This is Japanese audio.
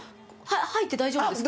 入って大丈夫ですか？